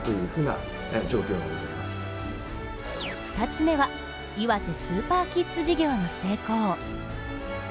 ２つ目はいわてスーパーキッズ事業の成功。